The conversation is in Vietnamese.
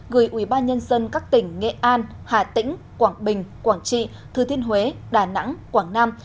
gửi ủy ban nhân dân các tỉnh nghệ an hà tĩnh quảng bình quảng trị thư thiên huế đà nẵng quảng nam